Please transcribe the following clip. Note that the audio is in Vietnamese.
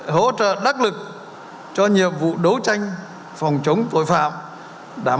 hỗ trợ đắc lực cho nhiệm vụ đấu tranh phòng chống tội phạm